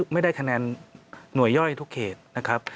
ไม่ได้คะแนนหน่วยย่อยทุกเขตนะครับ